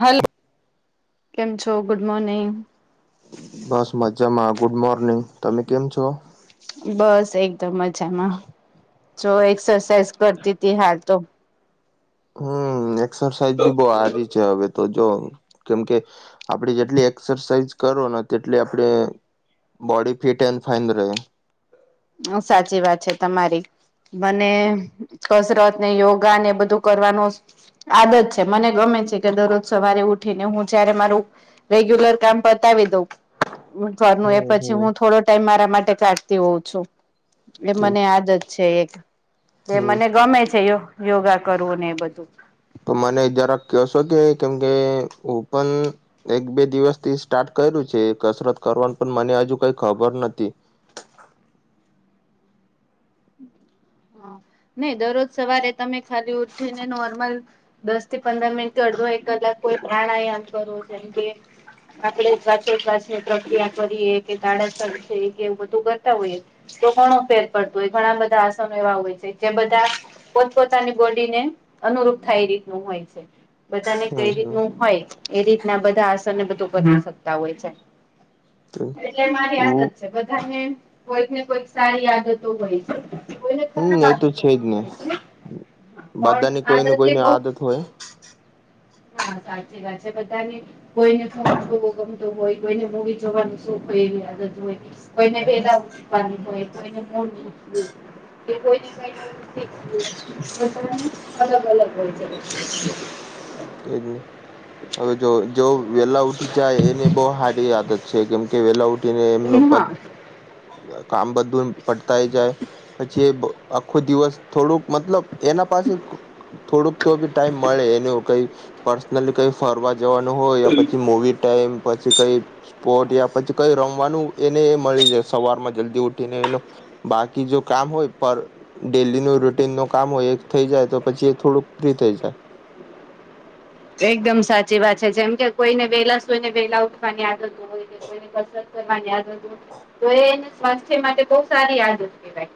Hello. કેમ છો? Good morning. બસ મજામાં, ગુડ મોર્નિંગ. તમે કેમ છો? બસ એકદમ મજામાં. જો એક્સરસાઇઝ કરતી તી હાલ તો. હમ્મ એક્સરસાઇઝ બી બો હારી છે હવે તો જો કેમકે આપણે જેટલી એક્સરસાઇઝ કરો ને તેટલી આપડી બોડી ફીટ એન્ડ ફાઈન રેહ. અ સાચી વાત છે તમારી. મને કસરત ને યોગા ને એ બધું કરવાનું આદત છે મને ગમે છે કે દરરોજ સવારે ઉઠીને હું જ્યારે મારું રેગ્યુલર કામ પતાવી દઉં ઘરનું એ હમ પછી હું હમ થોડો ટાઈમ મારા માટે કાઢતી હોઉં છું. એ મને આદત છે એક. એ હમ મને ગમે છે યો યોગા કરવું ને એ બધું. તો મને ઈ જરાક કહશો કે કેમ કે હું પણ એક બે દિવસ થી સ્ટાર્ટ કર્યું છે કસરત કરવાનું પણ મને હજુ કઈ ખબર નથી. હ નહી દરરોજ સવારે તમે ખાલી ઉઠીને નોર્મલ દસ થી પંદર મિનિટથી અડધો એક કલાક કોઈ પ્રાણાયામ કરો જેમ કે આપણે વાચો વાસની પ્રક્રિયા કરીએ કે ગાડા [unintelligible] કે બધું કરતા હોઈએ તો ધણો ફેર પડતો હોય. ઘણા બધા આસનો એવા હોય છે જ્યાં બધા પોતપોતાની બોડી ને અનુરૂપ થાય એ રીતનું હોય છે. બધાને હમ કઈ હમ રીતનું હોય એ રીતના બધા આસનને બધું કરી શકતા હોય છે. ત્રુ? એટલે મારી આદત છે બધાને કોઈકને કોઈક સારી આદતો હોય છે. કોઈને ખરાબ હમ એ આદતો તો છે જ પણ ને હોય છે પણ બધાની કોઈની આદતે કોઈની બઉ આદત હોય. હા સાચી વાત છે બધાની કોઈને ફોન જોવો ગમતું હોય, કોઈને મૂવી જોવાનું શુંખ હોય એવી આદત હોય. કોઈને વેલા ઉઠવાની હોય, કોઈને મોઢું ઉઠવું કે કોઈની કઈ શું કરવાનું અલગ અલગ હોય છે. કે ગય ને. હવે જો, જો વેલા ઉઠી જાય એને બો હારી આદત છે, કેમ કે વેલા ઉઠીને એમ એ હા. કામ બધું પડતાય જાય પછી એ આખો દિવસ થોડુંક મતલબ એના પાસે થોડુંક તો બી ટાઈમ મળે એનું કઈ પર્સનલી કઈ ફરવા જ જવાનું હોય પછી મોવી ટાઈમ પછી કઈ સ્પોટ યા પછી કઈ રમવાનું એને એ મળી જાય સવારમાં જલ્દી ઉઠીને એલો બાકી જો કામ હોય પર ડેલી નું રૂટીન નું કામ હોય એક થઈ જાય તો પછી એ થોડુંક ફ્રી થઈ જાય. એકદમ સાચી વાત છે જેમ કે કોઈને વેલા સુઈ ને વેલા ઉઠવાની આદત હોય. કોઈને કસરત કરવાની આદત હોય. તો એને સ્વાસ્થ્ય માટે બહ સારી આદત કેહવાય.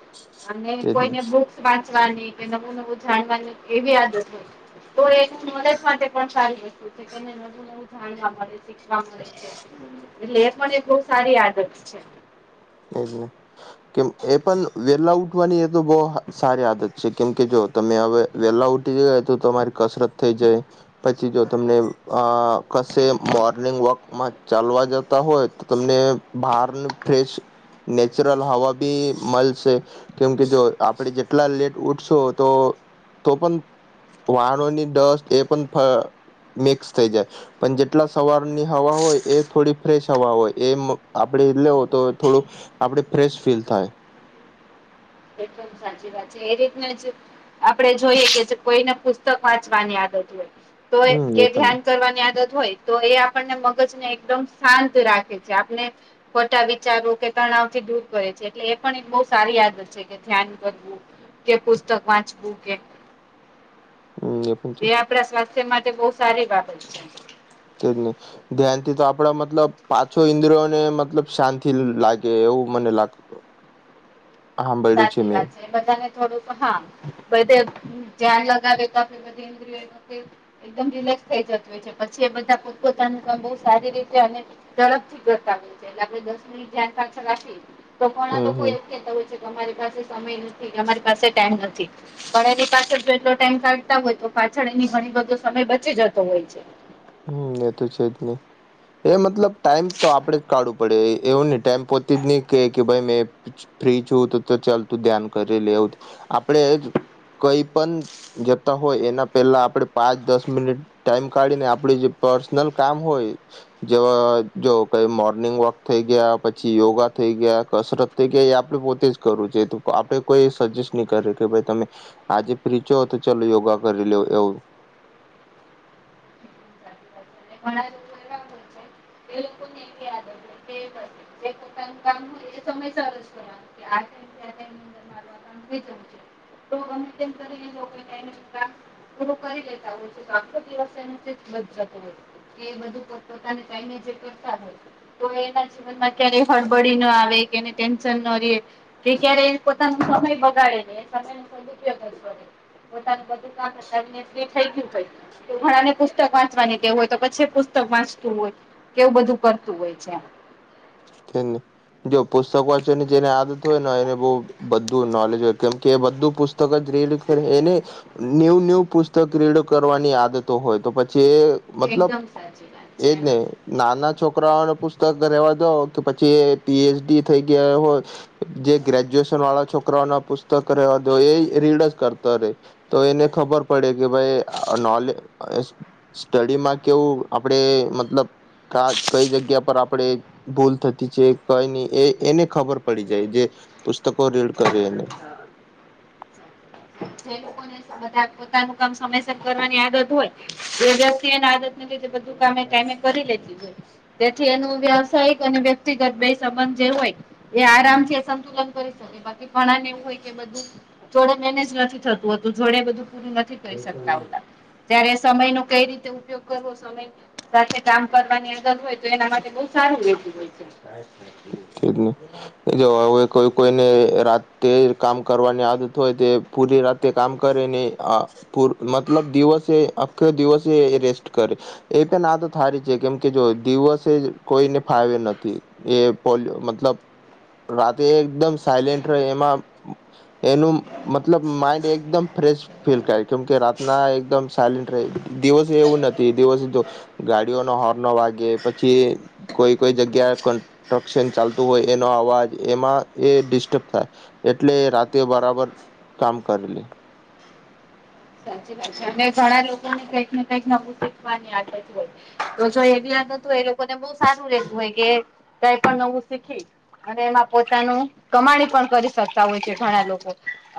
અને એજ ને કોઈને બુક્સ વાંચવાની કે નવું નવું જાણવાની એવી આદત હોય. તો એની નોલેજ માટે પણ સારી વસ્તુ છે કે નય નવું નવું જાણવા મળે શીખવા મળે છે. એટલે એ પણ એક બો સારી આદત છે. એ જ ને કેમ એ પણ વેલા ઉઠવાની એ તો બો સારી આદત છે. કેમ કે જો તમે હવે વેલા ઉઠયે તો તમારી કસરત થઈ જાય. પછી જો તમને આ કસે મોર્નિંગ વોકમાં ચાલવા જતા હોય તો તમને બહાર ની ફેશ નેચરલ હવા બી મલે છે. કેમ કે જો આપણેે જેટલા લેટ ઉઠશો, તો તો પણ વાહનોની ડસ્ટ એ પણ ફ મિક્સ થઈ જાય. પણ જેટલા સવારની હવા હોય, એ થોડી ફ્રેશ હવા હોય એ મ આપડે લેવ તો થોડું આપડે ફ્રેશ ફીલ થાય. એકદમ સાચી વાત છે એ રીતના જ આપણે જોઈએ કે કોઈને પુસ્તક વાંચવાની આદત હોય તો એ હમ પણ ને ધ્યાન કરવાની આદત હોય તો એ આપણને મગજ ને એકદમ શાંત રાખે છે. આપણે ખોટા વિચારો કે તણાવ થી દૂર કરે છે એટલે એ પણ એક બો સારી યાદ છે કે ધ્યાન કરવું કે, પુસ્તક વાંચવું કે હમ પણ છે એ આપડા સ્વાસ્થ્ય માટે બો સારી બાબત છે. તે જ ને. ધ્યાનથી તો આપડા મતલબ પાંચો ઈન્દ્રિયો ને મતલબ, શાંતિ લાગે એવું મને લાગતું સાચી વાત છે. એ બધાને થોડુંક હા બધે ધ્યાન લગાવે તો આપડે બઘી ઇન્દ્રિયો તો તે એકદમ રિલેક્સ થઈ જતુ હોય. પછી એ બધા પોતપોતાનું કામ બોઉ સારી રીતે અને ઝડપ થી કરતા હોય. એટલે આપડે દસ મિનિટ ધ્યાન પાછળ રાખી તો ઘણા હમ લોકો હમ એમ કહેતા હોય છે કે અમારી પાસે સમય નથી, કે અમારી પાસે ટાઈમ નથી, પણ એની પાસે જો એટલો ટાઈમ કાઢતા હોય તો પાછળ એની ઘણી બધો સમય બચી જતો હોય છે. હમમ એ તો છે જ ને. એ મતલબ ટાઈમ તો આપડે જ કાઢવું પડે, એવું ની ટાઈમ પોતે જ ની કે કે ભાઈ મેં ફ્રી છુ તો તો ચાલતું ધ્યાન કરે લેતુ આપડે જ કઈ પણ જતા હોય એના પહેલા આપડે પાંચ, દસ મિનિટ ટાઈમ કાઢીને આપ આપડે જે પર્સનલ કામ હોય જ જો કઈ મોર્નિંગ વોક થઈ ગયા, પછી યોગા થઈ ગયા કસરત તે કે આપડે પોતે જ કરવું જો આપણેે કોઈ સજેસ્ટ ની કરે કે ભાઈ તમે આજે ફ્રી છો તો ચલો યોગા કરી લેવ એવું. ઘણા લોકો એવા હોય છે કે એ લોકો ને એવી આદત હોય જે પોતાનું કામ હોય એ સમયસર જ કરવાનું. કે આ ટાઈમ થી આ ટાઈમ મારું આ કામ થઈ જવું જોઈએ. તો ગમે તેમ કરી ને જે લોકો ને ટાઈમ [unintelligible] પૂરું કરી લેતા હોય છે તો આખો દિવસ એનુંથી બચ જાતું હોય છે એ બધું પોત પોતાને ટાઈમે જે કરતા હોય. તો એના જીવનમાં ક્યારે હળબળી ના આવે કે એને ટેન્શન ના રે કે ક્યારે એ પોતાનો સમય બગાડે છે, ને સમય નો સદઉપયોગ [unintelligible] પોતાનું બધું કામ કરી ને ફ્રી થઈ ગયું હોય ઘણા ને પુસ્તક વાંચવાની ટેવ હોય તો પછી પુસ્તક વાંચતું હોય. એવું બધું કરતું હોય છે એમ. તે જ ને. જો પુસ્તક વાચવા ની જેને આદત હોય ને એને બોઉ બધું નોલેજ હોય, કેમ કે એ બધું પુસ્તક જ રીડ કરે એને ન્યૂ ન્યૂ પુસ્તક રીડ કરવાની આદતો હોય તો પછી એ મતલબ એકદમ સાચી વાત એજ છે. ને નાના છોકરાઓને પુસ્તક રહેેવા દો, કે પછી એ પી. એચ. ડી થઈ ગયા હોય જે ગ્રેજ્યુએશન વાળા છોકરાઓ ના પુસ્તક રહેવા દો એ રીડ જ કરતા રહેે. તો એને ખબર પડે કે ભાઈ અ નોલે અ સ્ટડીમાં કેવું આપડે મતલબ કા કઈ જગ્યા પર આપણે ભૂલ થતી છે કઈ નહી એ એને ખબર પડી જાય જે પુસ્તકો રીડ કરે એને. જે લોકોને બધા પોતાનું કામ સમયસર કરવાની આદત હોય એ વ્યક્તિ એને આદત એ લીધે બધું કામ એ ટાઈમે કરી [unintelligible] તેથી એનું વ્યવસાયિક અને વ્યક્તિગત બે સંબંધ જે હોય એ આરામથી સંતુલન કરી શકે બાકી ઘણાને એવું હોય કે બધું જોડે મેનેજ નથી થતું હતું જોડે બધું પૂરું નથી કરી શકતા ત્યારે સમય નો કઈ રીતે ઉપયોગ કરવો સમય સાથે કામ કરવાની અદર હોય તો એના માટે બહ સારું વેતું હોય છે. [unintelligible] જો હવે કોઈ કોઈને રાતે કામ કરવાની આદત હોય તે પૂરી રાતે કામ કરે ને આ પૂર મતલબ દિવસે આખ દિવસે એ રેસ્ટ કરે એ પણ આદત હારી છે કેમ કે જો દિવસે કોઈને ફાવે નથ થી એ પોલયો મતલબ રાતે એકદમ સાયલેન્ટ રે એમાં એનું મતલબ માઈન્ડ એકદમ ફ્રેશ ફીલ થાય કેમ કે રાતના એકદમ સાયલેન્ટ રહે દિવસે એવું નથી દિવસે તો ગાડીઓ નો હોનો વાગે પછી કોઈ કોઈ જગ્યા કન્ટ્રક્શન ચાલતું હોય એનો અવાજ એમાં એ ડિસ્ટર્બ થાય. એટલે રાતે બરાબર કામ કરી લે સાચી વાત છે અને ઘણા લોકો ને કઈક ને કઈક નવું શીખવાની આદત હોય તો જો એ બી આદત એ લોકોને બહ સારું રેતું હોય કે કઈ પણ નવું શીખી અને એમાં પોતાનું કમાણી પણ કરી શકતા હોય છે ઘણા લોકો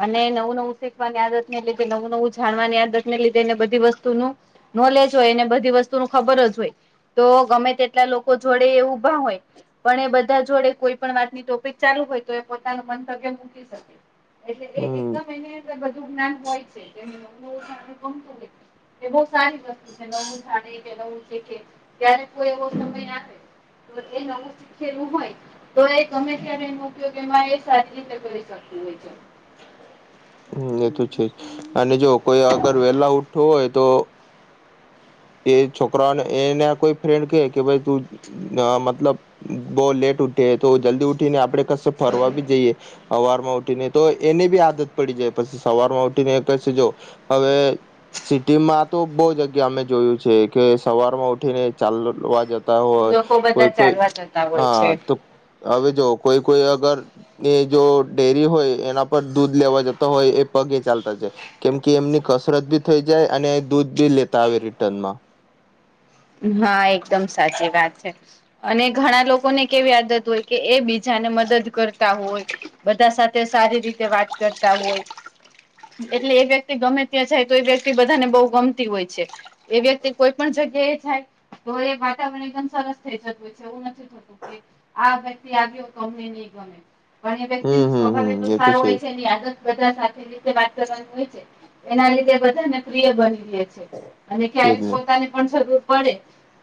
અને નવું-નવું શેકવા ની આદત નથી એટલે કે નવું -નવું જ જાણવાની આદત ને લીધે એને બધી વસ્તુનું નોલેજ હોય એને બધી વસ્તુ નું ખબર જ હોય તો ગમે તેટલા લોકો જોડે એ ઉભા હોય પણ એ બધા જોડે કોઈ પણ વાતની ટોપિક ચાલુ હોય તો એ પોતાનું મંતવ્ય મૂકી શકે. એટલે એ હમ એકદમ એની અંદર બધું જ્ઞાન હોય છે એને નવું-નવું જાણવું ગમતું હોય છે એ બહ સારી વસ્તુ છે નવું જાણે કે નવું શેખે ત્યારે કોઈ એવો સમય આવે એ નવું શીખેલું હોય તો એ ગમે ત્યારે એનો ઉપયોગ એમાં એ સારી રીતે કરી શકતું હોય છે. હમ્મ એ તો છે જ અને જો કોઈ અગર વેલા ઊઠતો હોય તો એ છોકરાને એને કોઈ ફ્રેન્ડ કે કે ભઈ તું અ મતલબ બહુ લેટ ઉઠે તો જલ્દી ઉઠીને આપણે ફરવા બી જઈએ હવાર માં ઉઠીને તો એને બી આદત પડી જાય પછી સવાર માં ઉઠી ને ક જો હવે સિટીમાં તો બહ જગ્યા અમે જોયું છે કે સવાર માં ઉઠી ને ચાલવા જતા હોય લોકો કોઈ બધા કોઈ ચાલવા જતા હોય છે હા તો હવે જો કોઈ કોઈ અગર ને જો ડેરી હોય એના પર દૂધ લેવા જતા હોય એ પગે ચાલતા છે કેમ કે એમની કસરત ભી થઇ જાય અને દૂધ બી લેતા આવે રિટર્નમાં ના એકદમ સાચી વાત છે. અને ઘણા લોકોને કેવી આદત હોય કે એ બીજાને મદદ કરતા હોય બધા સાથે સારી રીતે વાત કરતા હોય. એટલે એ વ્યક્તિ ગમે ત્યાં જાય તો એ વ્યક્તિ બધાને બહુ ગમતી હોય છે. એ વ્યક્તિ કોઈ પણ જગ્યા એ જાય તો એ વાતાવરણ એકદમ સરસ થઈ જતું છે એવું નથી થતું. આ વ્યક્તિ આવ્યો તો અમને ની ગમે- પણ એ વ્યક્તિ હમ નું હમ સ્વભાવ હમ એતો એ તો સારું હોય જ છે એની આદત- બધા સાથે રીતે વાત કરવાની હોય છે એના લીધે બધાને પ્રિય બની રહેે છે. છે અને તેજ ક્યારેય ને પોતાની પણ જરૂર- પડે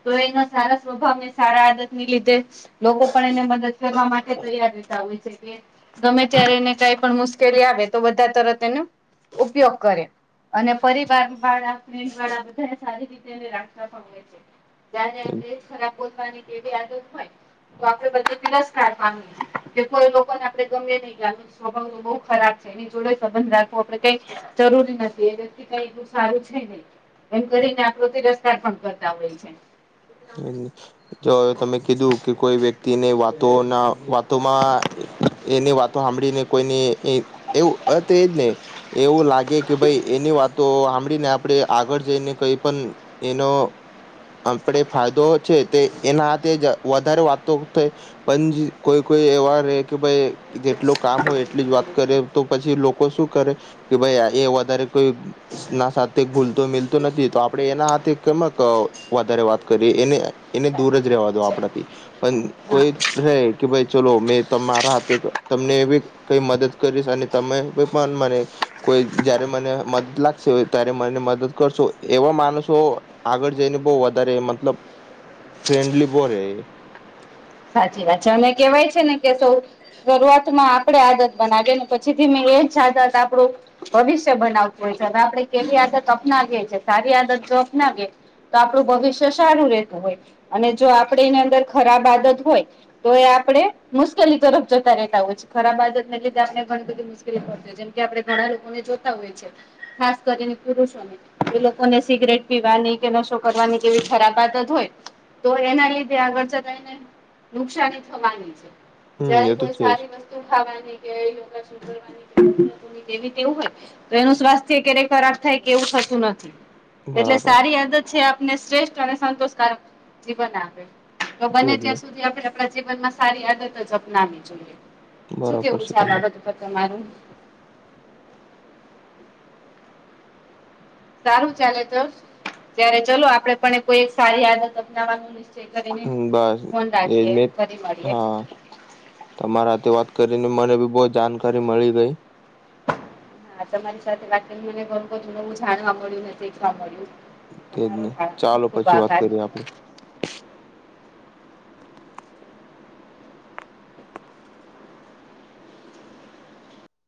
તો એના સારા સ્વભાવ ને સારા આદત ની લીધે- લોકો પણ એને મદદ કરવા માટે તૈયાર રહેતા હોય છે. કે- ગમે ત્યારે એને કઈ પણ મુશ્કેલી આવે તો બધા તરત એને- ઉપયોગ કરે અને પરિવાર [inaudible] ખરાબ એવી તેજ આદત હોય તો આપડે બધી તિરસ્કાર માગી કે કોઈ લોકોને આપડે ગમે નહી જ સ્વભાવ તો બહુ ખરાબ છે. એની જોડે સંબંધ રાખવો આપડે કઈ જરૂરી નથી એ વ્યક્તિ કઈ એ સારું છે નહી. એમ કરીને આ તિરસ્કાર પણ કરતા હોય છે. હમ. જો તમે કીધું કે કોઈ વ્યક્તિને વાતો ના વાતોમાં એની વાતો સાંભળીને કોઈની એવું અ તે એજ ને. એવું લાગે કે ભાઈ એની વાતો સાંભળીને આપણે આગળ જઈને કઈ પણ એનો આપણે ફાયદો છે તે એના હાથે વધારે વાતો પં કોઈ કોઈ એવા રે કે ભાઈ જેટલું કામ હોય એટલી જ વાત કરે તો પછી લોકો શું કરે કે ભાઈ એ વધારે કોઈ ના સાથે ભૂલતો મિલતો નથી તો આપડે એના હાથે કમક વધારે વાત કરી એને એને દૂર જ રેવા દો છે. આપણાથી પણ હા કોઈ કહે કે ભાઈ ચલો મેં તમારા હાથે તમને કઈ મદદ કરીશ અને તમે કો પણ મને કોઈ જયારે મને મદદ લાગશે હોય ત્યારે મને મદદ કરશો એવા માણસો આગળ જઈને બહુ વધારે મતલબ ફ્રેન્ડલી બહુ રે એ સાચી વાત છે અને કેવાય છે ને કે શો શરૂઆતમાં આપણેે આદત બનાવીએ ને પછી થી મેં એજ આદત આપણું ભવિષ્ય બનાવતું હોય છે એટલે આપડે કેવી આદત અપનાવીએ છીએ સારી આદત જો અપનાવીએ તો આપણું ભવિષ્ય સારું રહેતું હોય અને જો આપડે એની અંદર ખરાબ આદત હોય તો એ આપડે મુશ્કેલી તરફ જતા રહેતા હોય છે. ખરાબ આદત ને લીધે આપણે ગણ જેમ આપણે ઘણા લોકોને જોતા હોય છે ખાસ કરીને પુરુષોને એ લોકોને સિગરેટ પીવાની કે નશો કરવાની કેવી ખરાબ આદત હોય તો એના લીધે આગળ ચલાય ને નુકસાની થવાની છે હમ જયારે એ તો કોઈ છે જ સારી વસ્તુ ખાવાની કે યોગાસ વું હોય તો એનું સ્વાસ્થ્ય ક્યારેય ખરાબ થાય કેવું થતું નથી એટલે બરાબર સારી આદત છે આપને શ્રેષ્ઠ અને સંતોષકારક જીવન આપે. તો બને એજ ને ત્યાં સુધી આપણે આપણા જીવનમાં સારી આદત જ અપનાવી જોઈએ. શું બરાબર કેવું છે આ તમાર બધું તમારું? સારું ચાલે ચ ત્યારે ચલો આપડે પણ કોઈ એક સારી આદત અપનાવવાનું તે કરીને હમ બસ ફોન એજ રાખીએ મે ફરી મળીએ હા તમારા સાથે વાત કરીને મને બી બહું જાણકારી મળી ગઈ હા તમારી સાથે વાત કરી મને ઘણું બધૂ જાણવા મળ્યું ને શીખવા મળ્યું તેજ તમારો નહી ચાલો ખુબ ખુબ પછી વાત આભાર કરીએ આપડે.